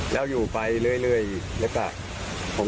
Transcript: ไม่ใช่แล้วหรอกค่ะคุณ